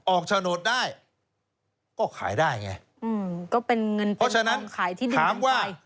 ออกโฉนดได้ก็ขายได้ไงเพราะฉะนั้นถามว่า